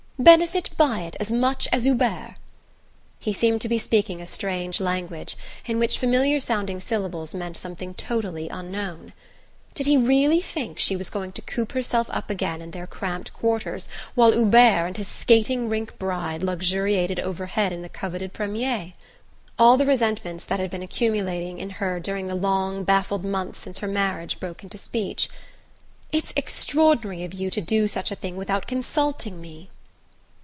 benefit by it as much as Hubert!" He seemed to be speaking a strange language in which familiar sounding syllables meant something totally unknown. Did he really think she was going to coop herself up again in their cramped quarters while Hubert and his skating rink bride luxuriated overhead in the coveted premier? All the resentments that had been accumulating in her during the long baffled months since her marriage broke into speech. "It's extraordinary of you to do such a thing without consulting me!"